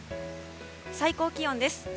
最高気温です。